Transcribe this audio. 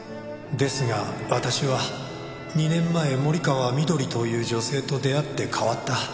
「ですが私は２年前森川みどりという女性と出会って変わった」